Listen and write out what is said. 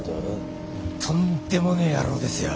とんでもねえ野郎ですよ。